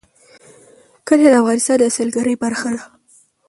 کلي د افغانستان د سیلګرۍ برخه ده.